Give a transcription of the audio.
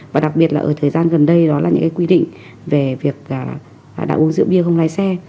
và đặc biệt là ở thời gian gần đây đó là những cái quy định về việc đã uống rượu bia không lái xe